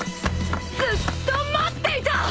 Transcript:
ずっと待っていた！